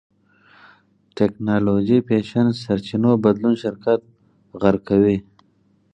ټېکنالوژي فېشن سرچينو بدلون شرکت غرق کوي.